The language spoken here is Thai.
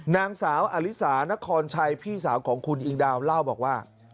นางสาวอลิสานครชัยพี่สาวของคุณอิงดาวเล่าบอกว่า